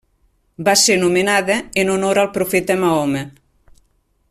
Va ser nomenada en honor al profeta Mahoma.